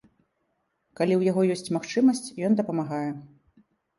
Калі ў яго ёсць магчымасць, ён дапамагае.